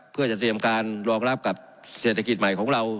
เพื่อจะเตรียมการรองรับกับเศรษฐกิจใหม่ของเรา